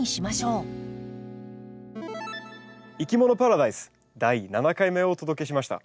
「いきものパラダイス」第７回目をお届けしました。